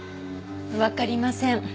わかりません。